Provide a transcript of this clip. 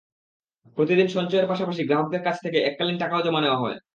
প্রতিদিন সঞ্চয়ের পাশাপাশি গ্রাহকদের কাছ থেকে এককালীন টাকাও জমা নেওয়া হয়।